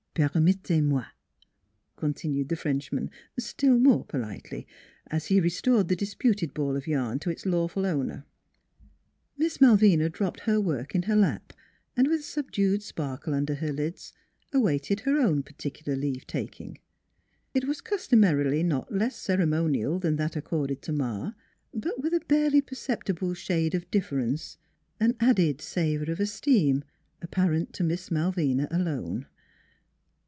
" Permettez moi," continued the Frenchman, still more politely, as he restored the disputed ball of yarn to its lawful owner. Miss Malvina dropped her work in her lap and with a subdued sparkle under her lids awaited her own particular leave taking. It was customarily not less ceremonial than that accorded to Ma, but with a barely perceptible shade of difference an added savor of esteem, apparent to Miss Malvina alone.